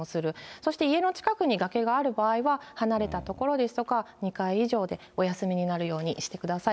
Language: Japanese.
そして家の近くに崖がある場合は、離れた所ですとか、２階以上でお休みになるようにしてください。